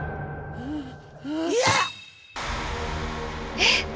えっ！